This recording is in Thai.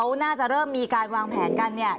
คุณเอกวีสนิทกับเจ้าแม็กซ์แค่ไหนคะ